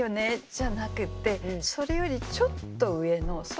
じゃなくてそれよりちょっと上のそういうものを